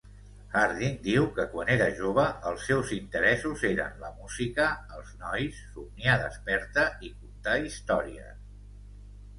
Harding diu que quan era jove els seus interessos eren la "música, els nois, somniar desperta i contar històries".